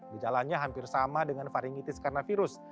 gejalanya hampir sama dengan varingitis karena virus